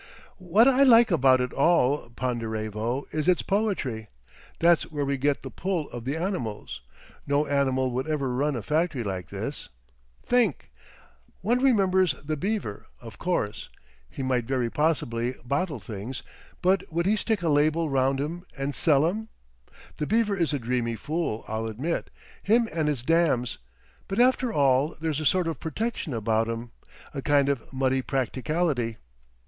"What I like about it all, Ponderevo, is its poetry.... That's where we get the pull of the animals. No animal would ever run a factory like this. Think!... One remembers the Beaver, of course. He might very possibly bottle things, but would he stick a label round 'em and sell 'em? The Beaver is a dreamy fool, I'll admit, him and his dams, but after all there's a sort of protection about 'em, a kind of muddy practicality!